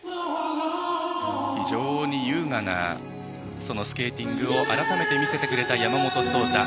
非常に優雅なスケーティングを改めて見せてくれた山本草太。